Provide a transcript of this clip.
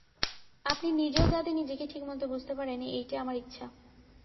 আপনি নিজেও যাতে নিজেকে ঠিকমত বুঝতে পারেন এইটে আমার ইচ্ছা।